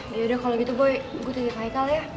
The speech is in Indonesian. yaudah kalau gitu boy gue titip haikal ya